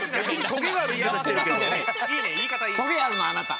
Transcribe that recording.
トゲがあるのはあなた。